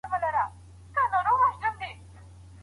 د یوه شنه ځنګله له پیله مخکې